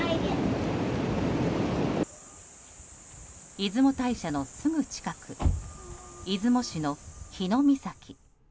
出雲大社のすぐ近く出雲市の日御碕。